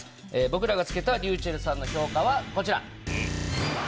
僕らが付けたｒｙｕｃｈｅｌｌさんの評価はこちら。